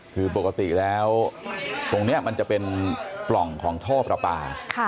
คือปกติแล้วตรงนี้มันจะเป็นปล่องของท่อประปา